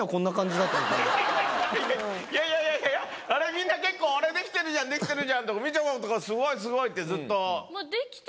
みんな結構「できてるじゃんできてるじゃん」とかみちょぱとか「スゴいスゴい」ってずっと。